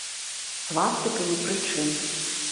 Свастыка ні пры чым.